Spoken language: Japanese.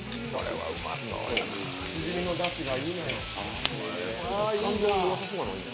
しじみのだしがいいのよ。